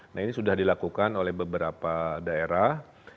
nah ini sudah dilakukan oleh beberapa daerah